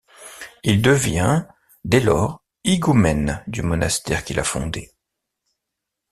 Il devient dès lors Higoumène du monastère qu'il a fondé.